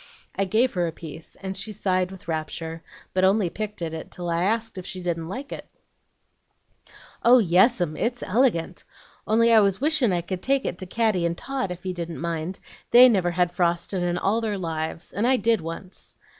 I gave her a piece, and she sighed with rapture, but only picked at it till I asked if she didn't like it. "'Oh yes, 'm, it's elegant! Only I was wishin' I could take it to Caddy and Tot, if you didn't mind. They never had frostin' in all their lives, and I did once.'